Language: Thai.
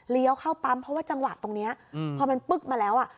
เข้าปั๊มเพราะว่าจังหวะตรงนี้พอมันปึ๊กมาแล้วอ่ะ